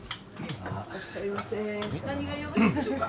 何がよろしいでしょうか？